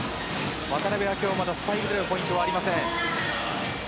渡邊は今日スパイクでのポイントはありません。